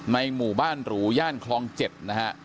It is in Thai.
หมู่บ้านหรูย่านคลอง๗นะฮะ